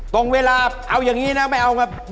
ตรงเวลาเอาอย่างนี้นะไม่เอาครับ